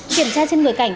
kiểm tra trên người cảnh